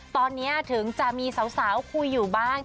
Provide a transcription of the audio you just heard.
ตอนนี้ถึงจะมีสาวคุยอยู่บ้าง